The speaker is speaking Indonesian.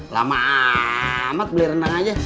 lama amat beli rendang aja